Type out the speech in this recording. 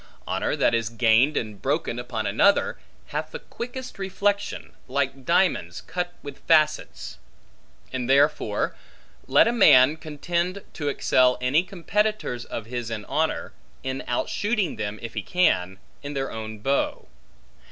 Honor that is gained and broken upon another, hath the quickest reflection, like diamonds cut with facets. And therefore, let a man contend to excel any competitors of his in honor, in outshooting them, if he can, in their own bow.